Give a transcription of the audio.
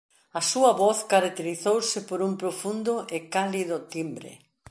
A súa voz caracterizouse por un profundo e cálido timbre.